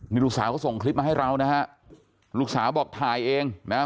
นี่ลูกสาวก็ส่งคลิปมาให้เรานะฮะลูกสาวบอกถ่ายเองนะฮะ